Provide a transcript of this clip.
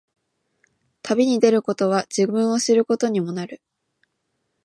旅に出ることは、自分を知ることにもなる。